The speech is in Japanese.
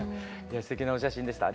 すてきなお写真でした。